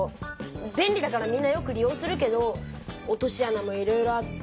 便利だからみんなよく利用するけど落としあなもいろいろあって。